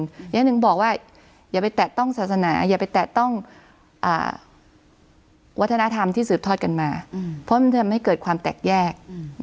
อย่างหนึ่งบอกว่าอย่าไปแตะต้องศาสนาอย่าไปแตะต้องวัฒนธรรมที่สืบทอดกันมาเพราะมันทำให้เกิดความแตกแยก